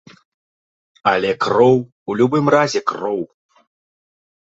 Але кроў у любым разе кроў.